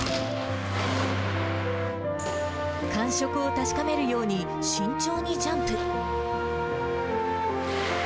感触を確かめるように慎重にジャンプ。